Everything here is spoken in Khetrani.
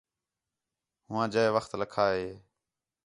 ہوآں جئے وخت لَکّھا ہِے